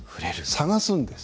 探すんです。